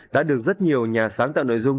đã được rất nhiều nhà sáng tạo nội dung